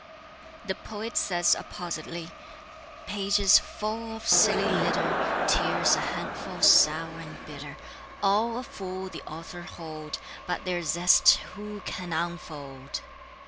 The poet says appositely: Pages full of silly litter, Tears a handful sour and bitter; All a fool the author hold, But their zest who can unfold?